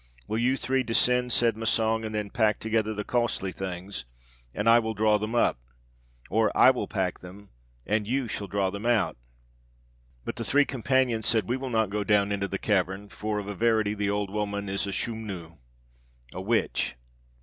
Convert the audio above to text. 'Will you three descend,' said Massang, 'and then pack together the costly things, and I will draw them up, or I will pack them, and you shall draw them out.' But the three companions said, 'We will not go down into the cavern, for of a verity the old woman is a Schumnu' (a witch).